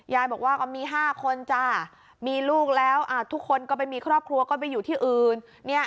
ยายบอกว่าก็มี๕คนจ้ามีลูกแล้วทุกคนก็ไปมีครอบครัวก็ไปอยู่ที่อื่น